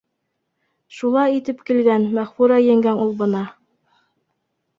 Шулай итеп килгән Мәғфүрә еңгәң ул бына.